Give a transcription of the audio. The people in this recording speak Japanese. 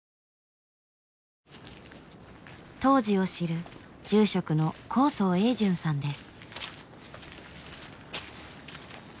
当時を知る住職の高僧英淳さんです。